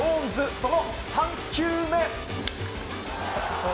その３球目。